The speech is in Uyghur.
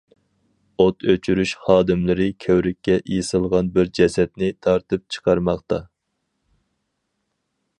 ئۆت ئۆچۈرۈش خادىملىرى كۆۋرۈككە ئېسىلغان بىر جەسەتنى تارتىپ چىقارماقتا.